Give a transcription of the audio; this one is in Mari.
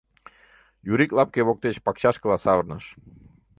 Юрик лапке воктеч пакчашкыла савырныш.